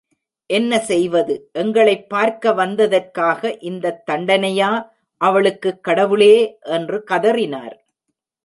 என்ன செய்வது, எங்களைப் பார்க்க வந்ததற்காக இந்தத் தண்டனையா அவளுக்கு கடவுளே! என்று கதறினார்.